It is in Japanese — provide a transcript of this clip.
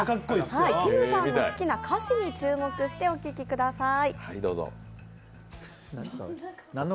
きむさんの好きな歌詞に注目してお聴きください。